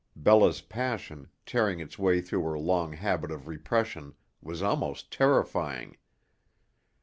Bella's passion, tearing its way through her long habit of repression, was almost terrifying.